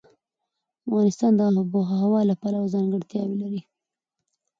افغانستان د آب وهوا له پلوه ځانګړتیاوې لري.